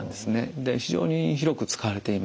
で非常に広く使われています。